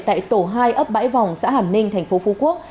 tại tổ hai ấp bãi vòng xã hàm ninh thành phố phú quốc